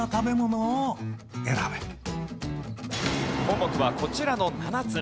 項目はこちらの７つ。